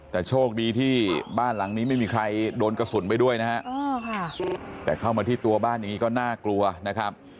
แต่โชคดีที่บ้านหลังนี้ไม่มีใครโดนกระสุนไปด้วยนะฮะแต่เข้ามาที่ตัวบ้านอย่างนี้ก็น่ากลัวนะครับ